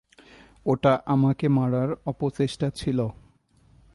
ওটা আমাকে মারার অপচেষ্টা ছিল।